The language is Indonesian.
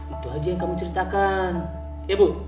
itu aja yang kamu ceritakan ya bu